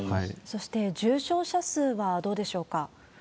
そして、重症者数はどうでしょうか。